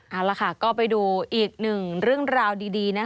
เอาละค่ะก็ไปดูอีกหนึ่งเรื่องราวดีนะคะ